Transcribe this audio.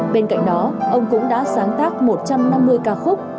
bên cạnh đó ông cũng đã sáng tác một trăm năm mươi ca khúc